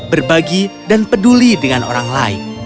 berbagi dan peduli dengan orang lain